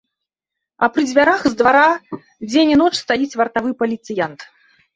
А пры дзвярах з двара дзень і ноч стаіць вартавы паліцыянт.